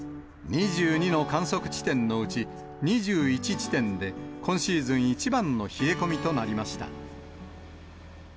２２の観測地点のうち、２１地点で今シーズン一番の冷え込みとなりました。